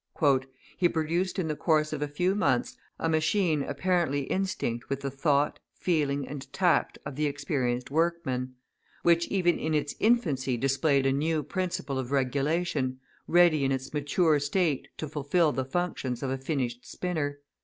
{223a} "He produced in the course of a few months a machine apparently instinct with the thought, feeling, and tact of the experienced workman which even in its infancy displayed a new principle of regulation, ready in its mature state to fulfil the functions of a finished spinner.